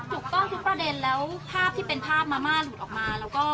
ถูกต้องทุกประเด็นแล้วภาพที่เป็นภาพมาม่าหลุดออกมาแล้วก็